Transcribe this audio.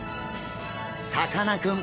さかなクン